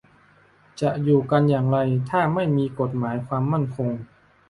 จะอยู่กันอย่างไร ถ้าไม่มีกฎหมายความมั่นคง